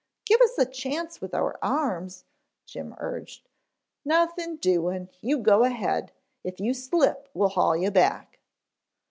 "Give us a chance with our arms," Jim urged. "Nothing doing, you go ahead. If you slip we'll haul you back."